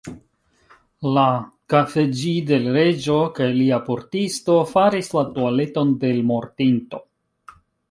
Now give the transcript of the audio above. La _kafeĝi_ de l' Reĝo kaj lia portisto faris la tualeton de l' mortinto.